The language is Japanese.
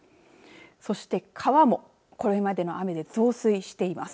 そして川もこれまでの雨で増水しています。